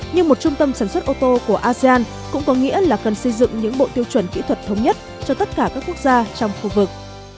nhưng một trung tâm sản xuất ô tô của asean cũng có nghĩa là cần xây dựng những bộ tiêu chuẩn kỹ thuật thống nhất cho tất cả các quốc gia trong khu vực